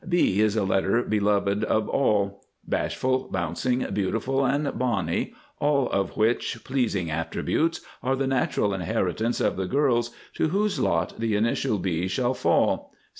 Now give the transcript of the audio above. B is a letter beloved of all. Bashful, Bouncing, Beautiful, and Bonny, all of which pleasing attributes are the natural inheritance of the girls to whose lot the initial B shall fall.